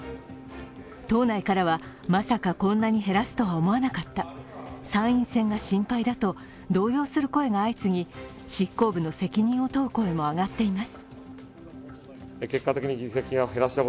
党内からは、まさかこんなに減らすとは思わなかった、参院選が心配だと、動揺する声が相次ぎ、執行部の責任を問う声も上がっています。